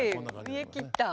見得切った。